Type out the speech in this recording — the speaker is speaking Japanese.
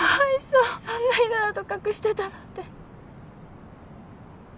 そんなひどい痕隠してたなんて。